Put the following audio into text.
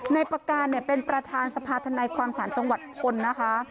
นายประการเป็นประธานสภาธนายความศาลจังหวัดพลนะคะ